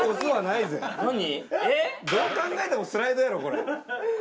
どう考えてもスライドやろ。